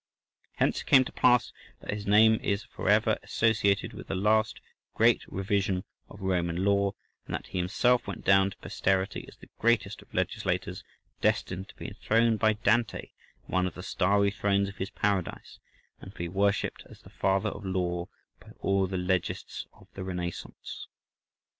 Hence it came to pass that his name is for ever associated with the last great revision of Roman law, and that he himself went down to posterity as the greatest of legislators, destined to be enthroned by Dante in one of the starry thrones of his "Paradise," and to be worshipped as the father of law by all the legists of the Renaissance.